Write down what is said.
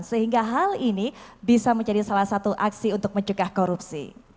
sehingga hal ini bisa menjadi salah satu aksi untuk mencegah korupsi